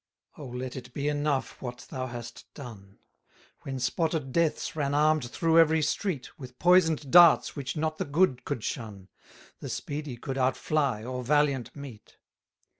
267 O let it be enough what thou hast done; When spotted Deaths ran arm'd through every street, With poison'd darts which not the good could shun, The speedy could out fly, or valiant meet.